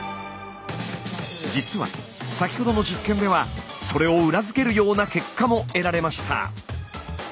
実は先ほどの実験ではそれを裏付けるような結果も得られました。